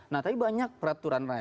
nah tapi banyak peraturan